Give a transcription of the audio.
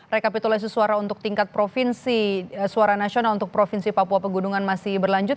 rekapitulasi suara untuk tingkat provinsi suara nasional untuk provinsi papua pegunungan masih berlanjut